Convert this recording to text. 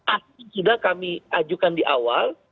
aksi sudah kami ajukan di awal